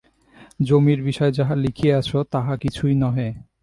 জমির বিষয় যাহা লিখিয়াছ, তাহা কিছুই নহে।